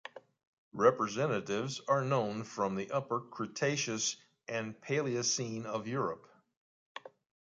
Representatives are known from the upper Cretaceous and the Paleocene of Europe.